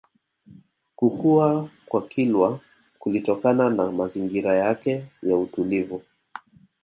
Kukua kwa Kilwa kulitokana na mazingira yake ya utulivu